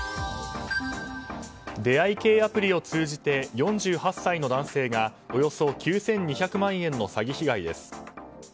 出会い系アプリを通じて４８歳の男性が、およそ９２００万円の詐欺被害です。